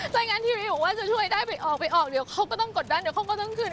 ถ้างั้นทีวีบอกว่าจะช่วยได้ไปออกไปออกเดี๋ยวเขาก็ต้องกดดันเดี๋ยวเขาก็ต้องขึ้น